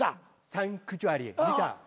『サンクチュアリ』見た。